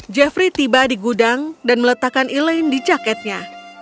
jeffrey tiba di gudang dan meletakkan elaine di jaketnya